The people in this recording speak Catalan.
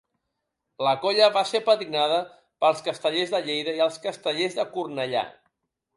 La colla va ser apadrinada pels Castellers de Lleida i els Castellers de Cornellà.